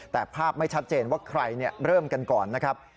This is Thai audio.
แต่ภาพไม่ชัดเจนว่าใครเริ่มกันก่อนนะครับ